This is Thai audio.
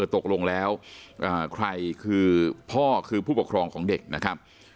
ตกลงแล้วใครคือพ่อคือผู้ปกครองของเด็กนะครับ